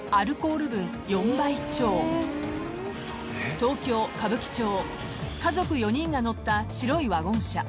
［東京歌舞伎町家族４人が乗った白いワゴン車］